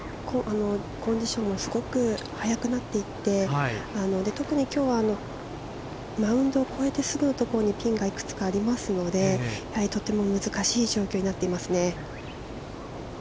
コンディションもすごく速くなっていって特に今日はマウンドを越えてすぐの所にピンがいくつかありますのでとても難しい状況になっています。